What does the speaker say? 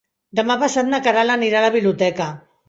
Demà passat na Queralt anirà a la biblioteca.